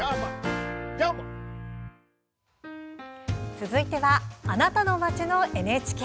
続いては「あなたの街のＮＨＫ」。